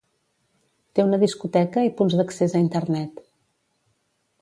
Té una discoteca i punts d'accés a Internet.